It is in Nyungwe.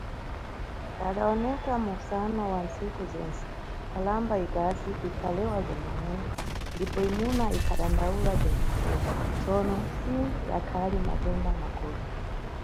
Padawoneka mʼmusano wa nntsiku zentse, nkhalamba ikazi ikhalewa bza minyendo ndipo imuna ikhadandawula bza cifuwa, tsono si yakhali matenda makulu.